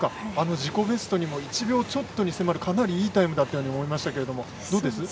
自己ベストにも１秒ちょっとに迫るかなりいいタイムだったように思いましたけれども、どうです？